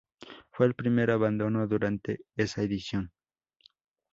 Fue el primer abandono durante esa edición.